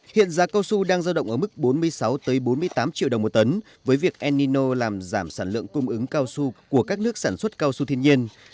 hiện giá cao su đang giao động ở mức bốn mươi sáu bốn mươi tám triệu đồng một tấn với việc enino làm giảm sản lượng cung ứng cao su của các nước sản xuất cao su thiên nhiên